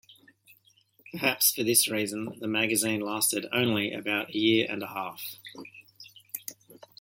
Perhaps for this reason, the magazine lasted only about a year and a half.